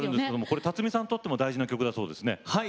これ辰巳さんにとっても大事な曲だそうですね。